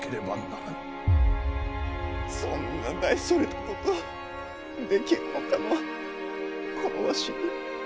そんな大それたことできるのかのこのわしに。